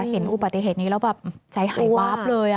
เห็นอุบัติเหตุนี้แล้วแบบใจหายวาบเลย